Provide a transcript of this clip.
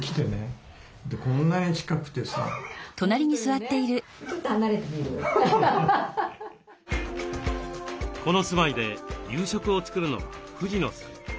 ここに来てねこの住まいで夕食を作るのは藤野さん。